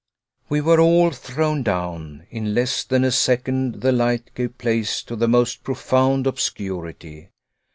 We were all thrown down. In less than a second the light gave place to the most profound obscurity.